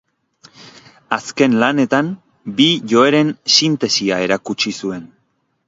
Azken lanetan bi joeren sintesia erakutsi zuen.